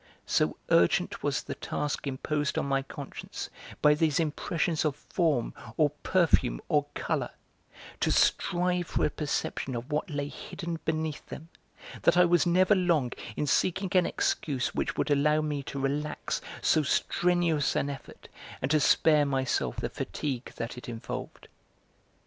So urgent was the task imposed on my conscience by these impressions of form or perfume or colour to strive for a perception of what lay hidden beneath them, that I was never long in seeking an excuse which would allow me to relax so strenuous an effort and to spare myself the fatigue that it involved.